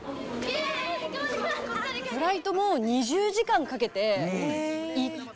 フライトも２０時間かけて行って。